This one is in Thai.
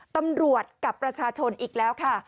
ตำรวจกับประชาชนอีกแล้วค่ะ